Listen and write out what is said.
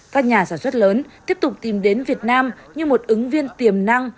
các nhà sản xuất lớn tiếp tục tìm đến việt nam như một ứng viên tiềm năng